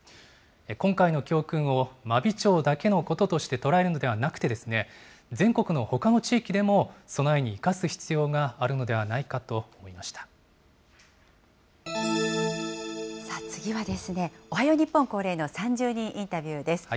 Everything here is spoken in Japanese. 今回の教訓を真備町だけのこととして捉えるのではなくて、全国のほかの地域でも、備えに生かす必要があるのではないかと思いまし次はですね、おはよう日本恒例の３０人インタビューです。